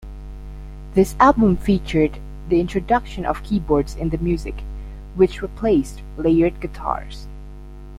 This album featured the introduction of keyboards in the music, which replaced layered guitars.